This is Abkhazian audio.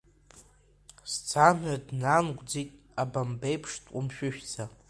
Сӡамҩа днангәӡит, абамбеиԥш дҟәымшәышәӡа…